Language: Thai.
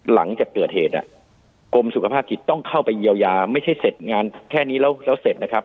หลังจากเกิดเหตุกรมสุขภาพจิตต้องเข้าไปเยียวยาไม่ใช่เสร็จงานแค่นี้แล้วเสร็จนะครับ